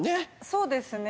そうですね。